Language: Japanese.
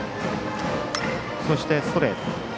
そしてストレート。